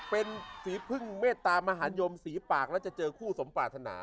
เป็นสีพึ่งเมตตามหาญยมสีปากแล้วจะเจอคู่สมปรารถนา